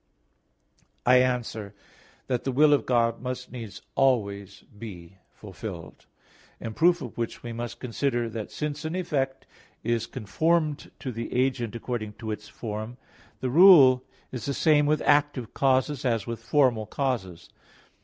I answer that, The will of God must needs always be fulfilled. In proof of which we must consider that since an effect is conformed to the agent according to its form, the rule is the same with active causes as with formal causes.